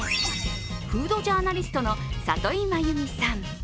フードジャーナリストの里井真由美さん。